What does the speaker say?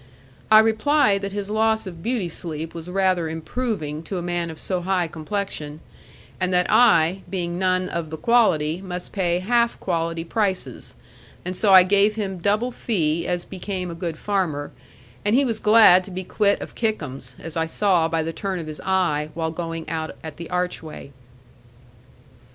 I replied that his loss of beauty sleep was rather improving to a man of so high complexion; and that I, being none of the quality, must pay half quality prices: and so I gave him double fee, as became a good farmer; and he was glad to be quit of Kickums; as I saw by the turn of his eye, while going out at the archway.